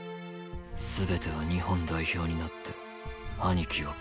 全ては日本代表になって兄貴を超えるため。